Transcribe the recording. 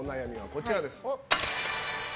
こちらです。